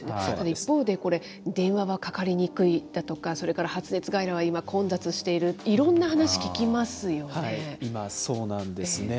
一方でこれ、電話はかかりにくいだとか、それから発熱外来は今、混雑している、いろんな話聞きますよね。